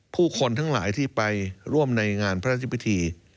ผู้คนทั้งหลายที่ไปร่วมในงานพระราชพิธี